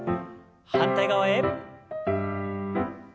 反対側へ。